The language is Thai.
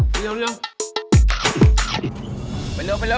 พี่เดียว